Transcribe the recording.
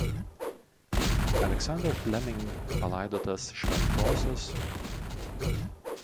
Alexander Fleming palaidotas šv.